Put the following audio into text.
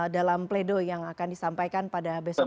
dalam pledo yang akan disampaikan pada besok